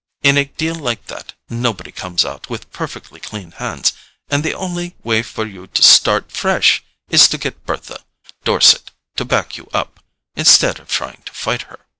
In a deal like that, nobody comes out with perfectly clean hands, and the only way for you to start fresh is to get Bertha Dorset to back you up, instead of trying to fight her."